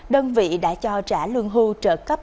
đơn vị đã cho trả lương hưu trợ cấp